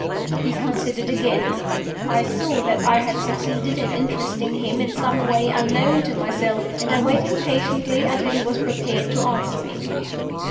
He considered again. I saw that I had succeeded in interesting him in some way unknown to myself; and I waited patiently until he was prepared to answer me.